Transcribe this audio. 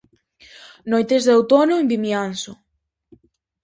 Noites de outono en Vimianzo.